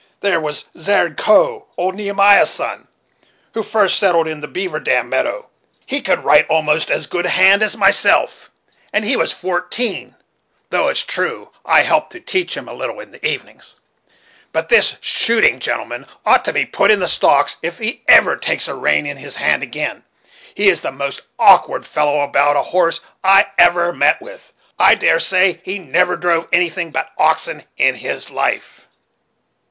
There was Zared Coe, old Nehemiah's son, who first settled on the beaver dam meadow, he could write almost as good hand as myself, when he was fourteen; though it's true, I helped to teach him a little in the evenings. But this shooting gentleman ought to be put in the stocks, if he ever takes a rein in his hand again. He is the most awkward fellow about a horse I ever met with. I dare say he never drove anything but oxen in his life."